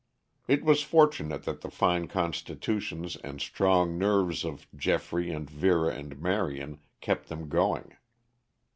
It was fortunate that the fine constitutions and strong nerves of Geoffrey and Vera and Marion kept them going.